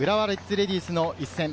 レディースの一戦。